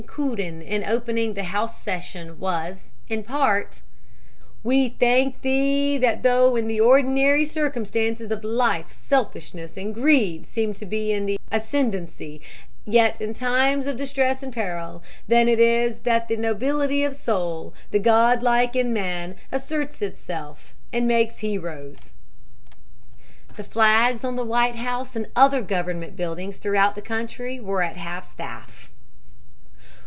Couden in opening the House session was, in part: "We thank Thee that though in the ordinary circumstances of life selfishness and greed seem to be in the ascendancy, yet in times of distress and peril, then it is that the nobility of soul, the Godlike in man, asserts itself and makes heroes." The flags on the White House and other Government buildings throughout the country were at half staff.